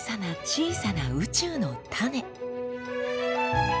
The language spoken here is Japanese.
小さな宇宙の種。